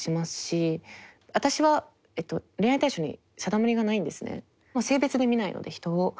私は恋愛対象に定まりがないんですね。